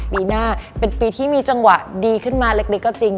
ปีหน้าเป็นปีที่มีจังหวะดีขึ้นมาเล็กก็จริง